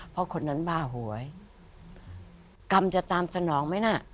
เพราะคนนั้นบ้าหวยกรรมจะตามสนองไหมน่ะ